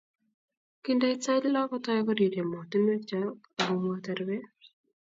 Kindait sait sokol, kotou koriryo motunwek chok akomwaita rubet